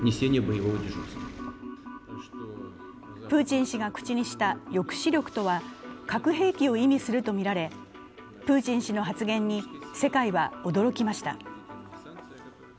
プーチン氏が口にした抑止力とは核兵器を意味するとみられ、プーチン氏の発言に世界は驚きました。